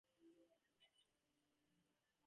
He then married Dee Napier.